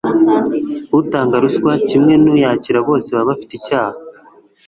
Utanga ruswa kimwe n'uyakira bose baba bafite icyaha.